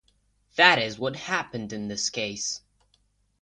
That is what happened in this case.